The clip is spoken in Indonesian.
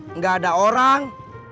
enggak ada orang